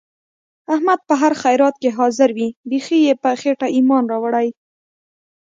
احمد په هر خیرات کې حاضر وي. بیخي یې په خېټه ایمان راوړی.